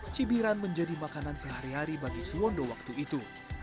cibiran menjadi makanan sehari hari bagi suwondo waktu itu